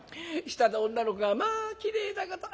下の女の子が『まあきれいだこと』。